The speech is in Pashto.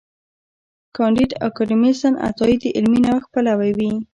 کانديد اکاډميسن عطايي د علمي نوښت پلوي و.